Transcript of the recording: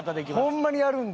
ホンマにやるんだ。